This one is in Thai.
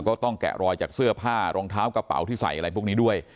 แกะรอยจากเสื้อผ้ารองเท้ากระเป๋าที่ใส่อะไรพวกนี้ด้วย